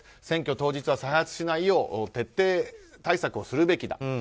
選挙当日は再発しないよう徹底対策をするべきだ。